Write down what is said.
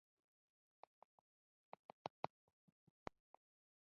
د کاروبار او سوداګریزو چارو انحصار اقتصادي ځوړتیا لرله.